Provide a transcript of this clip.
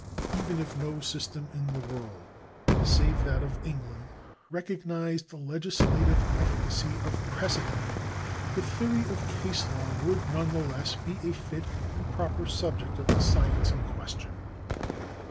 Even if no system in the world, save that of England, recognised the legislative efficacy of precedent, the theory of case law would none the less be a fit and proper subject of the science in question.